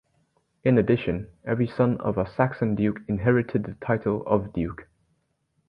In addition, every son of a Saxon duke inherited the title of duke.